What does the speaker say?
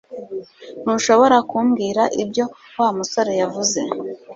Ntushobora kumbwira ibyo Wa musore yavuze